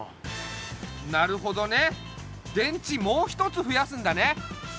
なるほどね電池もう一つふやすんだね！